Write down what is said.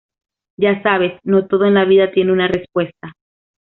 Ya sabes, no todo en la vida tiene una respuesta".